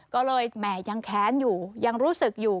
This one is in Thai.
ก็เลยแหมยังแค้นอยู่ยังรู้สึกอยู่